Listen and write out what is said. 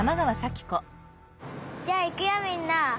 じゃあいくよみんな！